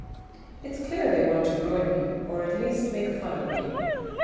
" It is clear they want to ruin me, or at the least make fun of me.